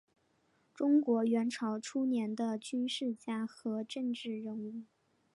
中国元朝初年的军事家和政治人物。